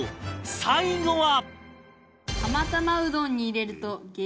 最後は